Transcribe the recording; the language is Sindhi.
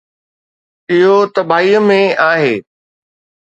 اهو تباهيءَ ۾ آهي.